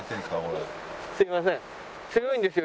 すみません。